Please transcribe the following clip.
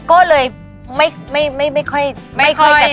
ก็เลยไม่ค่อยไม่ค่อยจะสนบสุข